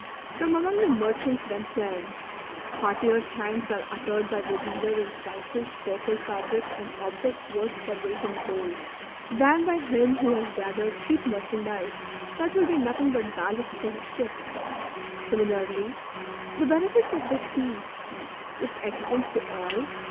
from among the merchants themselves, heartier thanks are uttered by the dealer in spices, purple fabrics, and objects worth their weight in gold, than by him who has gathered cheap merchandise that will be nothing but ballast for his ship ; similarly, the benefits of this peace, which extends to all.